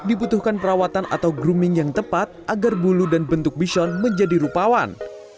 dibutuhkan perawatan atau grooming yang tepat agar bulu dan bentuk bison menjadi rupawan